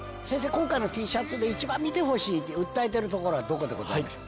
今回のＴシャツで一番見てほしいって訴えてるところはどこでございますか？